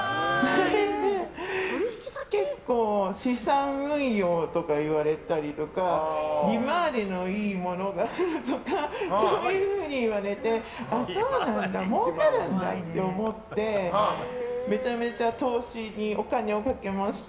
結構、資産運用とか言われたりとか利回りのいいものがあるとかそういうふうに言われてそうなんだもうかるんだって思ってめちゃめちゃ投資にお金をかけました。